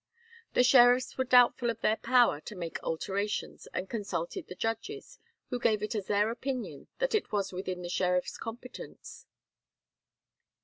The sheriffs were doubtful of their power to make alterations, and consulted the judges, who gave it as their opinion that it was within the sheriffs' competence.